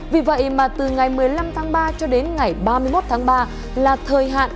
vì vậy mà từ ngày một mươi năm tháng ba cho đến ngày ba mươi một tháng ba là thời hạn